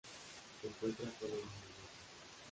Se encuentra sólo en Indonesia.